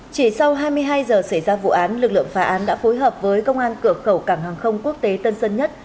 chỉ sau hai mươi hai giờ xảy ra vụ án lực lượng phá án đã phối hợp với công an cửa khẩu cảng hàng không quốc tế tân sơn nhất